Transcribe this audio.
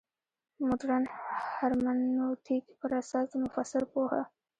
مډرن هرمنوتیک پر اساس د مفسر پوهه ده.